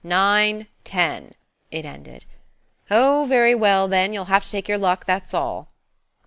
"Nine, ten," it ended. "Oh, very well, den, you'll have to take your luck, that's all."